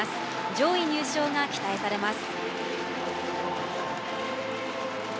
上位入賞が期待されます。